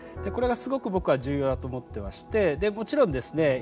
これがすごく僕は重要だと思ってましてもちろんですね